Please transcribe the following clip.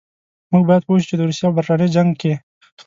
موږ باید پوه شو چې د روسیې او برټانیې جنګ کې.